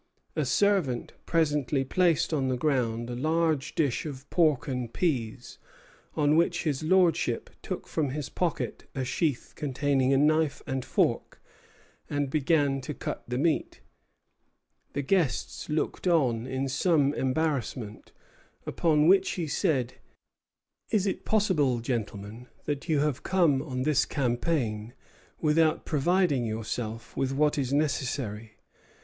A servant presently placed on the ground a large dish of pork and peas, on which his lordship took from his pocket a sheath containing a knife and fork and began to cut the meat. The guests looked on in some embarrassment; upon which he said: "Is it possible, gentlemen, that you have come on this campaign without providing yourselves with what is necessary?"